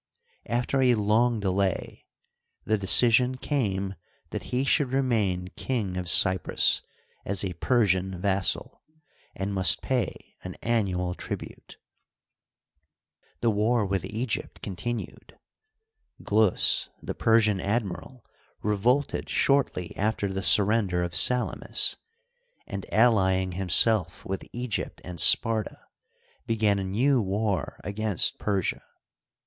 After a long delay the decision came that he should remain King of Cyprus as a Persian vassal, and must pay an annual tribute. The war with Egypt continued. Glus, the Persian admiral, revolted shortly after the surrender of Salamis, and, allying himself with Egypt and Sparta, began a new war against Persia.